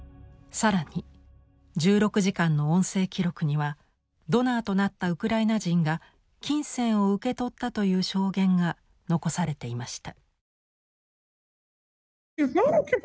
更に１６時間の音声記録にはドナーとなったウクライナ人が金銭を受け取ったという証言が残されていました。